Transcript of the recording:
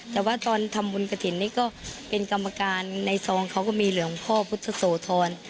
แต่ว่าตอนทำบุญกระถิ่นนี่ก็เป็นกรรมการในซองเขาก็มีหลวงพ่อพุทธโสธร